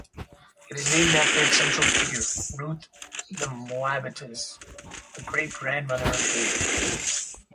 It is named after its central figure, Ruth the Moabitess, the great-grandmother of David.